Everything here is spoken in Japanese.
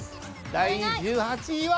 第１８位は。